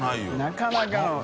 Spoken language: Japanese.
なかなかの。